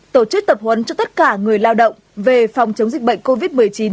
tổ chức tập huấn cho tất cả người lao động về phòng chống dịch bệnh covid một mươi chín